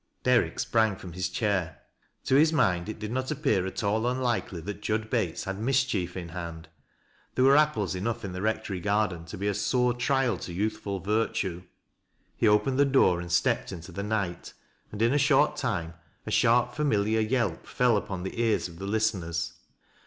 Derrick sprang from his chair. To his mind, it did not appear at all unlikely that Jud Bates liad mischief in hand. There were apples enough in the rectory garden to be a sore trial to youthful virtue. He opened the door and stepped into the night, and in a short time a sharp familiar yelp fell upon the ears oi the liiiteners.